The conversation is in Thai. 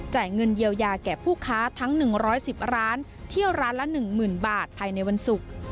เงินเยียวยาแก่ผู้ค้าทั้ง๑๑๐ร้านเที่ยวร้านละ๑๐๐๐บาทภายในวันศุกร์